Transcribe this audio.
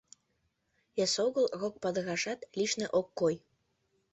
Эсогыл рок падырашат лишне ок кой.